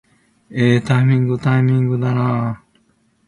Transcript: えータイミングー、タイミングだなー